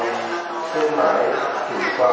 การพุทธศักดาลัยเป็นภูมิหลายการพุทธศักดาลัยเป็นภูมิหลาย